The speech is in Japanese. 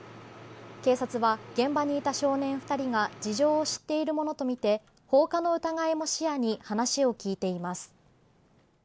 警察は現場にいた少年２人が事情を知っているものとみて放火の疑いも視野に話を聞いています。